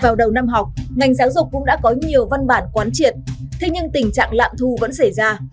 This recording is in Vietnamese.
vào đầu năm học ngành giáo dục cũng đã có nhiều văn bản quán triệt thế nhưng tình trạng lạm thu vẫn xảy ra